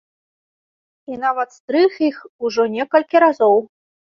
І нават стрыг іх ужо некалькі разоў.